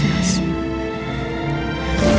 aku mau denger